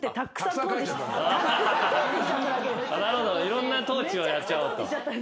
いろんな倒置をやっちゃおうと。